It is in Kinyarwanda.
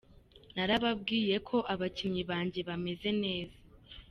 Narababwiye ko abakinyi banje bameze neza.